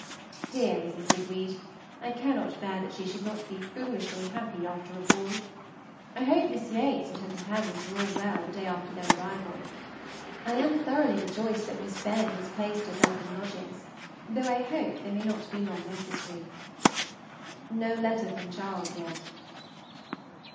Dear Mrs. Digweed! I cannot bear that she should not be foolishly happy after a ball. I hope Miss Yates and her companions were all well the day after their arrival. I am thoroughly rejoiced that Miss Benn has placed herself in lodgings, though I hope they may not be long necessary. No letter from Charles yet.